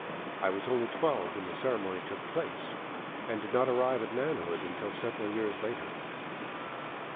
I was only twelve when the ceremony took place, and did not arrive at manhood till several years later."